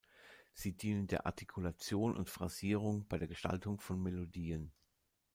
Sie dienen der Artikulation und Phrasierung bei der Gestaltung von Melodien.